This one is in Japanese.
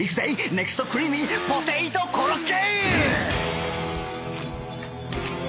ネクストクリーミーポテイトコロッケ！